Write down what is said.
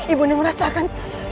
ibu mbak merasakan